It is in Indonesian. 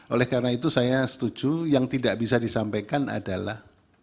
oleh karena itu saya setuju yang tidak bisa disampaikan adalah